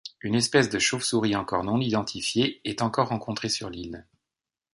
Une espèce de chauve-souris encore non identifiée est encore rencontrée sur l'île.